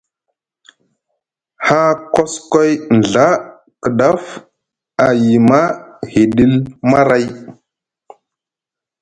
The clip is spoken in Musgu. Haa koskoy nɵa kdaf a yima hiɗil maray.